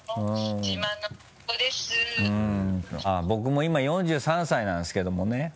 僕も今４３歳なんですけどもね。